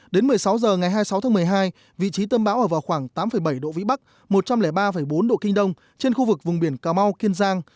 đến một mươi sáu h ngày hai mươi sáu tháng một mươi hai vị trí tâm bão ở vào khoảng tám bảy độ vĩ bắc một trăm linh ba bốn độ kinh đông trên khu vực vùng biển cà mau kiên giang